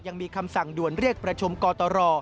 ยังมีคำสั่งด่วนเรียกประชุมกตร